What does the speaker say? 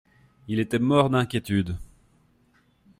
Il était mort d’inquiétude.